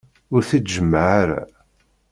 Ur t-id-jemmeɛ ara.